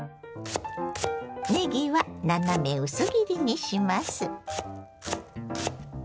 ねぎは斜め薄切りにします。